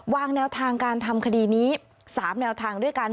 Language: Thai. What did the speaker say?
วางแนวทางการทำคดีนี้๓แนวทางด้วยกัน